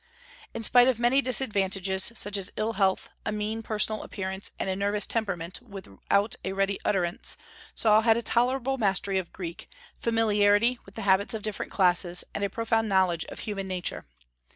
In spite of many disadvantages, such as ill health, a mean personal appearance, and a nervous temperament, without a ready utterance, Saul had a tolerable mastery of Greek, familiarity with the habits of different classes, and a profound knowledge of human nature.